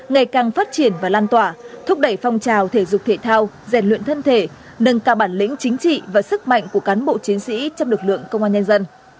ngày càng phát triển và lan tỏa thúc đẩy phong trào thể dục thể thao rèn luyện thân thể nâng cao bản lĩnh chính trị và sức mạnh của cán bộ chiến sĩ trong lực lượng công an nhân dân